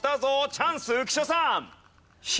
チャンス浮所さん！